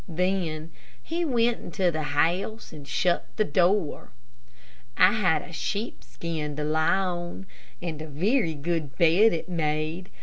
Then he went into the house and shut the door. I had a sheepskin to lie on, and a very good bed it made.